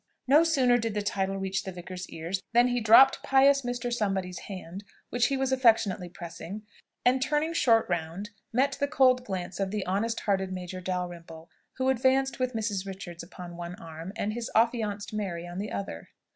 No sooner did the title reach the vicar's ears, than he dropped pious Mr. Somebody's hand which he was affectionately pressing, and turning short round met the cold glance of the honest hearted Major Dalrymple, who advanced with Mrs. Richards upon one arm, and his affianced Mary on the other.